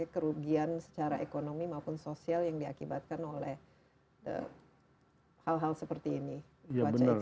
kerugian secara ekonomi maupun sosial yang diakibatkan oleh